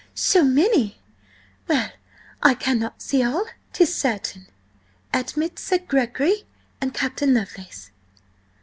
So many? Well, I cannot see all, 'tis certain. Admit Sir Gregory and Captain Lovelace."